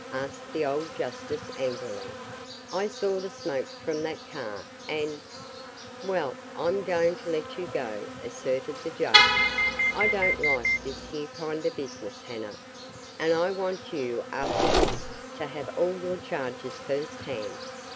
asked the old justice angrily. "I saw the smoke from that car, and " "Well, I'm goin' to let you go," asserted the judge. "I don't like this here kind of business, Hanna, and I want you after this to have all your charges first hand.